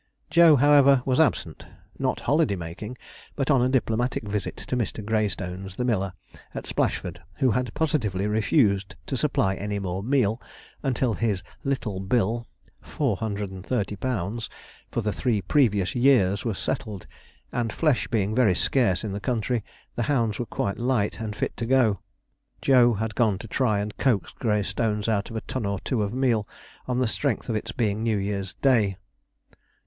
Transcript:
Joe, however, was absent; not holiday making, but on a diplomatic visit to Mr. Greystones, the miller, at Splashford, who had positively refused to supply any more meal, until his 'little bill' (£430) for the three previous years was settled; and flesh being very scarce in the country, the hounds were quite light and fit to go. Joe had gone to try and coax Greystones out of a ton or two of meal, on the strength of its being New Year's Day.